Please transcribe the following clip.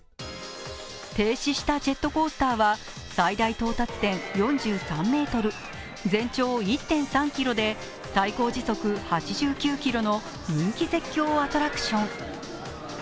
停止したジェットコースターは最大到達点４３ｍ全長１．３ｋｍで、最高時速８９キロの人気絶叫アトラクション。